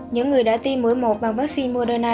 những người đã tiêm mũi một bằng vaccine moderna